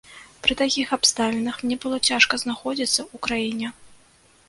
Пры такіх абставінах мне было цяжка знаходзіцца ў краіне.